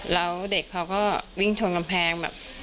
แล้วเด็กเขาก็วิ่งชนกำแพงแบบ